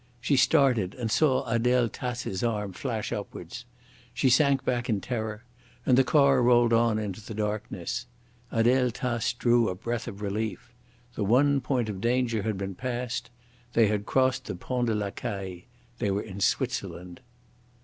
She started and saw Adele Tace's arm flash upwards. She sank back in terror; and the car rolled on into the darkness. Adele Tace drew a breath of relief. The one point of danger had been passed. They had crossed the Pont de la Caille, they were in Switzerland.